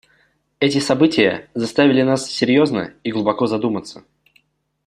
Эти события заставили нас серьезно и глубоко задуматься.